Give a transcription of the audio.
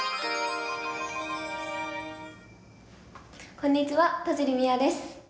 こんにちは田尻美愛です。